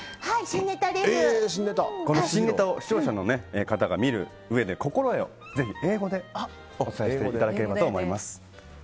新ネタを視聴者の方が見るうえでの心得を心得をぜひ英語でお伝えしていただければと思います。